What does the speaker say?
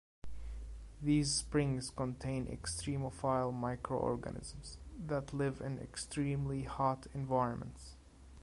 These springs contain extremophile micro-organisms that live in extremely hot environments.